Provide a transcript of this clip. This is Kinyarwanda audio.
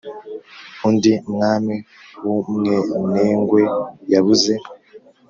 undi mwami w'umwenengwe yabuze